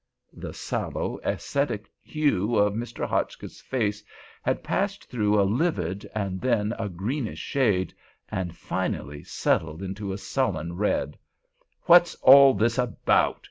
The sallow, ascetic hue of Mr. Hotchkiss's face had passed through a livid and then a greenish shade, and finally settled into a sullen red. "What's all this about?"